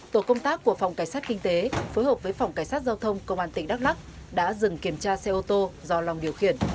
tổ công tác của phòng cảnh sát kinh tế phối hợp với phòng cảnh sát giao thông công an tỉnh đắk lắc đã dừng kiểm tra xe ô tô do long điều khiển